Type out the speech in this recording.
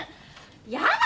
やだ！